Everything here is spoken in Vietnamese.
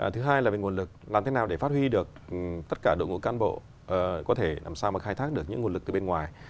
thứ hai là về nguồn lực làm thế nào để phát huy được tất cả đội ngũ can bộ có thể làm sao mà khai thác được những nguồn lực từ bên ngoài